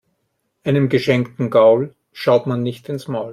Einem geschenkten Gaul schaut man nicht ins Maul.